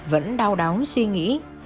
vẫn đau đóng suy nghĩ